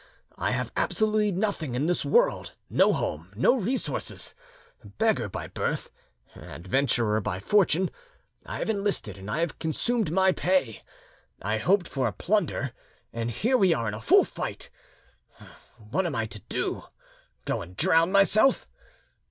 I have absolutely nothing in the world, no home, no resources. Beggar by birth, adventurer by fortune, I have enlisted, and have consumed my pay; I hoped for plunder, and here we are in full flight! What am I to do? Go and drown myself?